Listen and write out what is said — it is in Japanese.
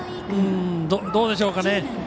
どうでしょうかね。